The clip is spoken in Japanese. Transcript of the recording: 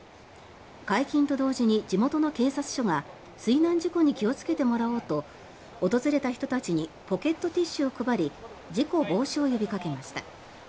解禁と同時に地元の警察署が水難事故に気をつけてもらおうと訪れた人たちにポケットティッシュを配り事故防止を呼びかけました。